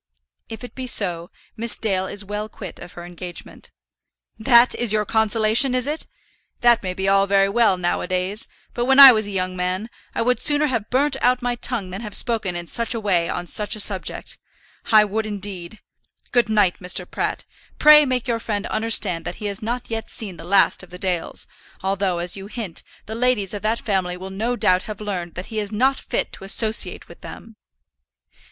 "If it be so, Miss Dale is well quit of her engagement." "That is your consolation, is it? That may be all very well now a days; but when I was a young man, I would sooner have burnt out my tongue than have spoken in such a way on such a subject. I would, indeed. Good night, Mr. Pratt. Pray make your friend understand that he has not yet seen the last of the Dales; although, as you hint, the ladies of that family will no doubt have learned that he is not fit to associate with them."